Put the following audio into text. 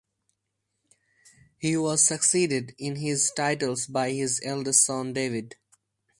He was succeeded in his titles by his eldest son David.